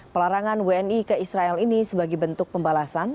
pelarangan wni ke israel ini sebagai bentuk pembalasan